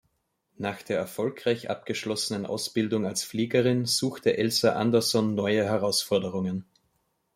Nach der erfolgreich abgeschlossenen Ausbildung als Fliegerin suchte Elsa Andersson neue Herausforderungen.